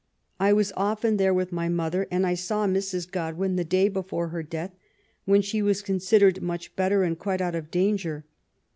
I was often there with my mother, and I saw Mrs. Godwin the day before her death, when she was considered much better and qnite ont of danger.